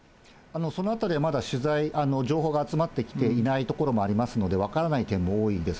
そのあたりはまだ取材、情報が集まってきていないところもありますので、分からない点も多いんです。